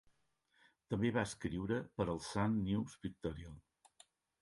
També va escriure per al Sun News Pictorial.